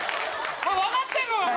分かってんのか？